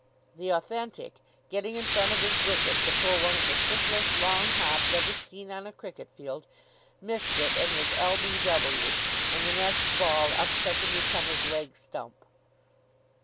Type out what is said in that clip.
The Authentic, getting in front of his wicket, to pull one of the simplest long hops ever seen on a cricket field, missed it, and was l.b.w. And the next ball upset the newcomer's leg stump.